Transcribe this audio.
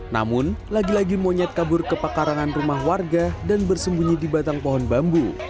namun lagi lagi monyet kabur ke pekarangan rumah warga dan bersembunyi di batang pohon bambu